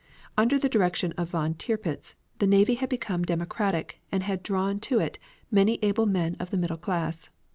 Under the direction of Von Tirpitz the navy had become democratic and had drawn to it many able men of the middle class.